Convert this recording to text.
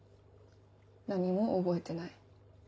何も覚えてない。